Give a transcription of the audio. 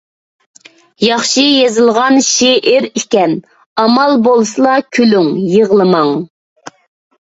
ياخشى يېزىلغان شېئىر ئىكەن. ئامال بولسىلا كۈلۈڭ، يىغلىماڭ!